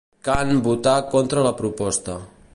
Kan votà contra la proposta.